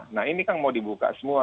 nah ini kan mau dibuka semua